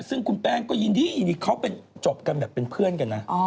ซึ่งคุณแป้งก็ยินดียินดีเขาเป็นจบกันแบบเป็นเพื่อนกันนะ